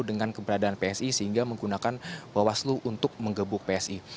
dengan keberadaan psi sehingga menggunakan wastu untuk mengebuk psi